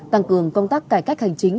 tăng cường công tác cải cách hành chính